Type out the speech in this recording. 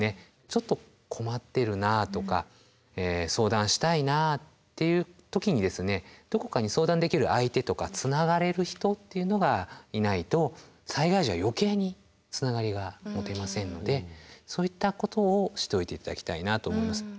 ちょっと困ってるなとか相談したいなっていう時にどこかに相談できる相手とかつながれる人っていうのがいないと災害時は余計につながりが持てませんのでそういったことをしておいて頂きたいなと思います。